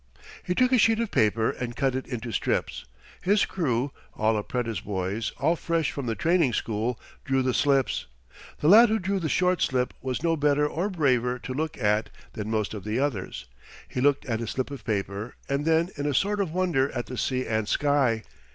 He took a sheet of paper and cut it into strips. His crew all apprentice boys, all fresh from the training school drew the slips. The lad who drew the short slip was no better or braver to look at than most of the others. He looked at his slip of paper and then in a sort of wonder at the sea and sky.